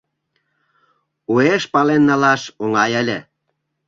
Уэш пален налаш оҥай ыле.